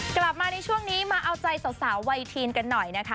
กลับมาในช่วงนี้มาเอาใจสาวไวทีนกันหน่อยนะคะ